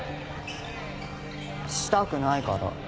したくないから。